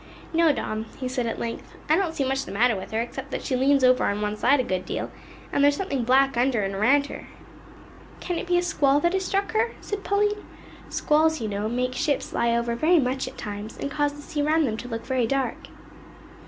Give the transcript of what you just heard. "No, Dom," he said at length; "I don't see much the matter with her, except that she leans over on one side a good deal, and there's something black under and around her." "Can it be a squall that has struck her?" said Pauline. "Squalls, you know, make ships lie over very much at times, and cause the sea round them to look very dark."